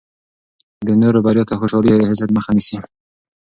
د نورو بریا ته خوشحالي د حسد مخه نیسي.